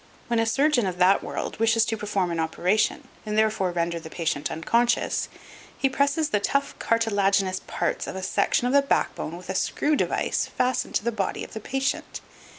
When a surgeon of that world wishes to perform an operation and therefore render the patient unconscious, he presses the tough cartilagenous part of a section of the backbone with a screw device fastened to the body of the patient.